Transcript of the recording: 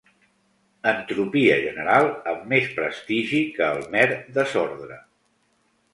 Entropia general amb més prestigi que el mer desordre.